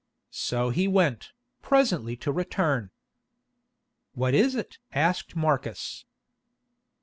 So he went, presently to return. "What was it?" asked Marcus.